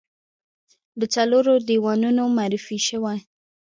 د څلورو دیوانونو معرفي شوه.